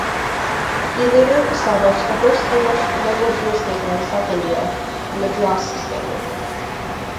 He later established the first English language newspaper in South India, "The Madras Standard".